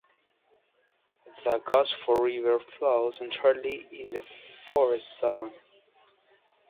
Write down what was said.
The Gosford River flows entirely in the forest zone.